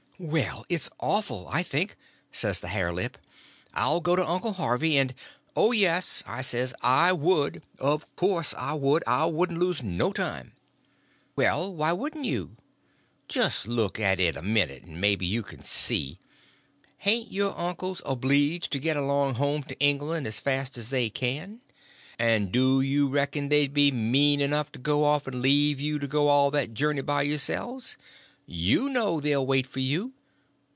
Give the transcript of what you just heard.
"Well, it's awful, I think," says the hare lip. "I'll go to Uncle Harvey and—" "Oh, yes," I says, "I would. Of course I would. I wouldn't lose no time." "Well, why wouldn't you?" "Just look at it a minute, and maybe you can see. Hain't your uncles obleegd to get along home to England as fast as they can? And do you reckon they'd be mean enough to go off and leave you to go all that journey by yourselves? You know they'll wait for you.